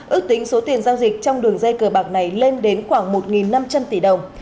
ước tính số tiền giao dịch trong đường dây cờ bạc này lên đến khoảng một năm trăm linh tỷ đồng